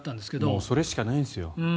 もうそれしかないんですよ。